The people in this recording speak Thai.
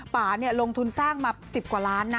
ป่าลงทุนสร้างมา๑๐กว่าล้านนะ